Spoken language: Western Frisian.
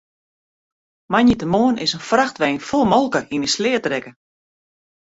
Moandeitemoarn is in frachtwein fol molke yn 'e sleat rekke.